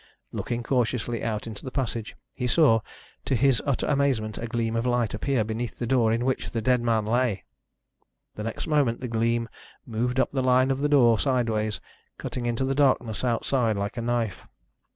Looking cautiously out into the passage, he saw, to his utter amazement, a gleam of light appear beneath the door in which the dead man lay. The next moment the gleam moved up the line of the door sideways, cutting into the darkness outside like a knife.